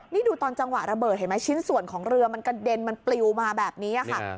นี่ดูตอนจังหวะระเบิดเห็นไหมชิ้นส่วนของเรือมันกระเด็นมันปลิวมาแบบนี้ค่ะ